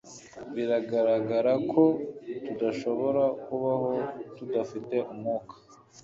Biragaragara ko tudashobora kubaho tudafite umwuka